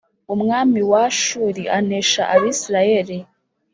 umwami wa ashuri anesha abisirayeli